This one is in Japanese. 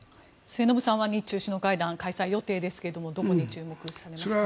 末延さんは日中首脳会談、開催予定ですがどこに注目していますか。